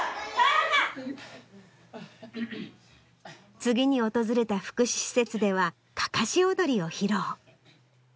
次に訪れた福祉施設ではかかし踊りを披露。